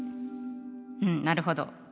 うんなるほど。